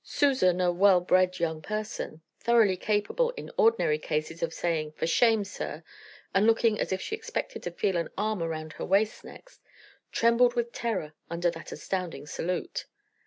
Susan a well bred young person, thoroughly capable in ordinary cases of saying "For shame, sir!" and looking as if she expected to feel an arm round her waist next trembled with terror under that astounding salute.